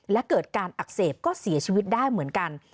และเกิดการอักเสบก็เสียชีวิตได้เหมือนกัน